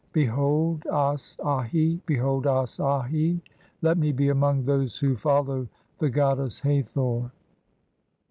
Behold, (2) As Ahi, behold, As Ahi, "let me be among those who follow the goddess Hathor."